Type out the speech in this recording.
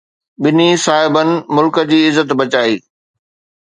ٻنهي صاحبن ملڪ جي عزت بچائي.